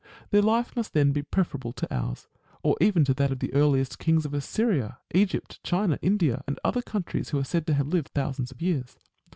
Their life must then be preferable to ours, or even to that of the earliest kings of Assyria, Egypt, China, India, and other countries, who are said to have lived thousands of years.